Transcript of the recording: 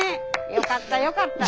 よかったよかった。